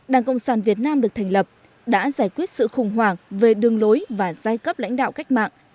đảng cộng sản việt nam được thành lập đã giải quyết sự khủng hoảng về đường lối và giai cấp lãnh đạo cách mạng